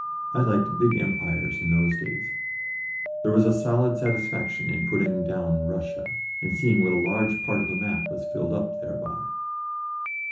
I liked big empires in those days; there was a solid satisfaction in putting down Russia, and seeing what a large part of the map was filled up thereby.